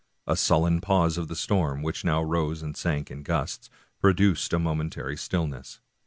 A sullen pause of the storm, which now rose and sank in gusts, produced a momentary stillness.